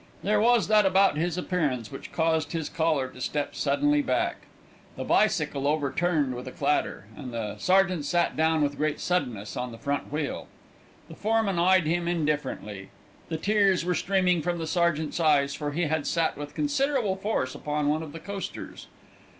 There was that about his appearance which caused his caller to step suddenly back. The bicycle overturned with a clatter, and the sergeant sat down with great suddenness on the front wheel. The foreman eyed him indifferently. The tears were streaming from the sergeant's eyes, for he had sat with considerable force upon one of the coasters.